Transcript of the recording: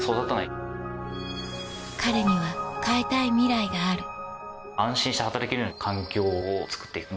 彼には変えたいミライがある安心して働けるような環境をつくって行く。